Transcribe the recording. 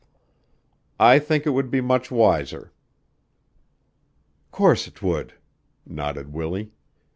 "I think it would be much wiser." "Course 'twould," nodded Willie.